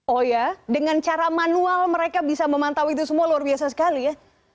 oh ya dengan cara manual mereka bisa memantau itu semua luar biasa sekali ya